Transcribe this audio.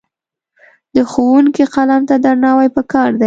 د ښوونکي قلم ته درناوی پکار دی.